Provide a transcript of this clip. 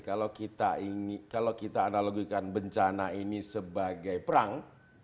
kalau kita analogikan bencana ini sebagai perang